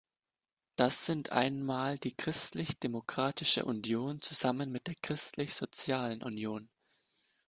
Das sind einmal die Christlich Demokratische Union zusammen mit der Christlich sozialen Union.